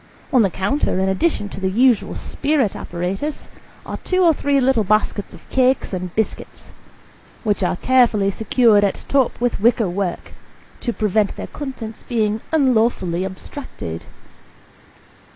On the counter, in addition to the usual spirit apparatus, are two or three little baskets of cakes and biscuits, which are carefully secured at top with wicker work, to prevent their contents being unlawfully abstracted.